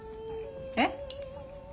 えっ？